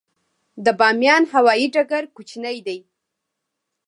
د بامیان هوايي ډګر کوچنی دی